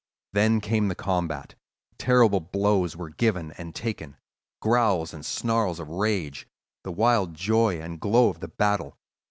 Then came the combat: terrible blows were given and taken, growls and snarls of rage, the wild joy and glow of the battle.